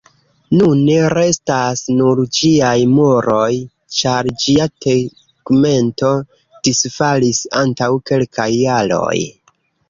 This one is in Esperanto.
Nune restas nur ĝiaj muroj, ĉar ĝia tegmento disfalis antaŭ kelkaj jaroj.